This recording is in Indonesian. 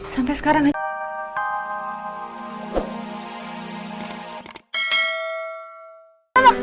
sampai sekarang aja